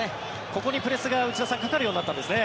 ここにプレスが内田さんかかるようになったんですね。